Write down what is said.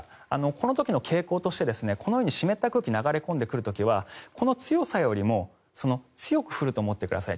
この時の傾向としてこのように湿った空気が流れ込んでくる時はこの強さよりも強く降ると思ってください。